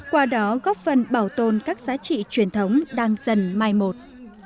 qua đó góp phần bảo tồn các giá trị truyền thống đang dần mai một